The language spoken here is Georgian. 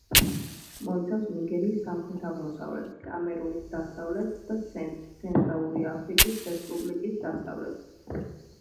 მოიცავს ნიგერიის სამხრეთ-აღმოსავლეთს, კამერუნის დასავლეთს და ცენტრს და ცენტრალური აფრიკის რესპუბლიკის დასავლეთს.